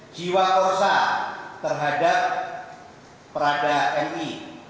jiwa korsa terhadap prada mi